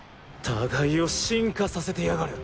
互いを進化させてやがる。